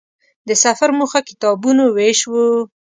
د سفر موخه کتابونو وېش و.